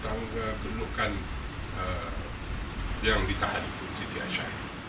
dan kita lihat apa yang keputusan investigasi